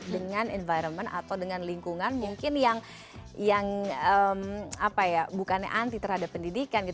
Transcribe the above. dengan environment atau dengan lingkungan mungkin yang bukannya anti terhadap pendidikan